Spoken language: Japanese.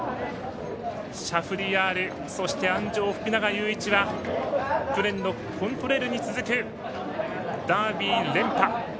シャフリヤールそして、鞍上・福永祐一は去年のコントレイルに続くダービー連覇！